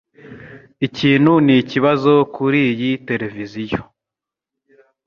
Ikintu nikibazo kuriyi televiziyo.